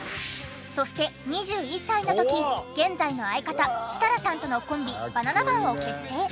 そして２１歳の時現在の相方設楽さんとのコンビバナナマンを結成。